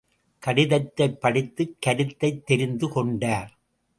கடிதத்தைப் படித்துக் கருத்தைத் தெரிந்து கொண்டார்.